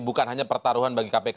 bukan hanya pertaruhan bagi kpk